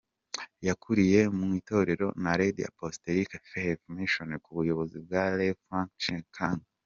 Yakuriye mu itorero Naledi Apostolic Faith Mission ku buyobozi bwa Rev Frank Chikane.